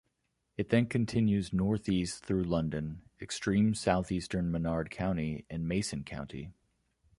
It then continues northeast through London, extreme southeastern Menard County, and Mason County.